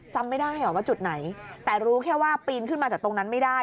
จำไม่ได้ว่าจุดไหนแต่รู้แค่ว่าปีนขึ้นมาจากตรงนั้นไม่ได้